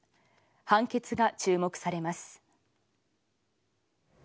判決が注目されます。